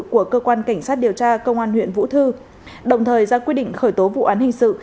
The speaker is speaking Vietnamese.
của cơ quan cảnh sát điều tra công an huyện vũ thư đồng thời ra quyết định khởi tố vụ án hình sự